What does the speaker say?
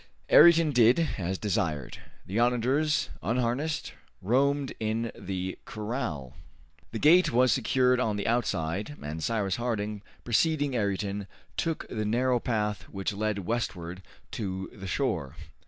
Ayrton did as desired. The onagers, unharnessed, roamed in the corral. The gate was secured on the outside, and Cyrus Harding, preceding Ayrton, took the narrow path which led westward to the shore.